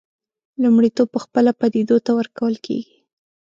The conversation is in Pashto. لومړیتوب پخپله پدیدو ته ورکول کېږي.